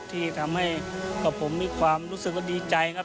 ที่ทำให้กับผมมีความรู้สึกว่าดีใจครับ